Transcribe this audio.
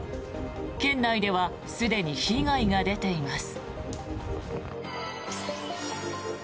県内ではすでに被害が出ています。